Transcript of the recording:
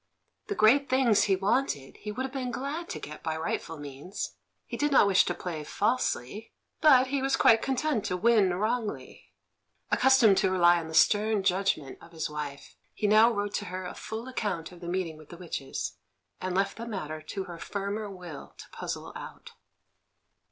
The great things he wanted he would have been glad to get by rightful means; he did not wish to play falsely, but he was quite content to win wrongly. Accustomed to rely on the stern judgment of his wife, he now wrote to her a full account of the meeting with the witches, and left the matter to her firmer will to puzzle out.